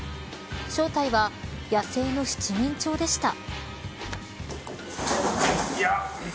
正体は、野生の七面鳥でした。